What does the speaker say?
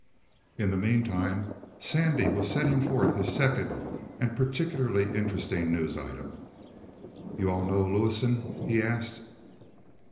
In the meantime Sandy was setting forth his second and particularly interesting news item. "You all know Lewison?" he asked.